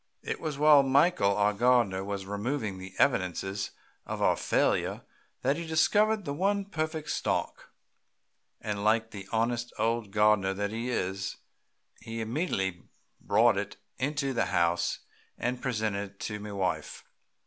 It was while Michael, our gardener, was removing the evidences of our failure that he discovered the one perfect stalk, and like the honest old gardener that he is, he immediately brought it into the house and presented it to my wife.